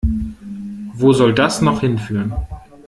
Wo soll das noch hinführen?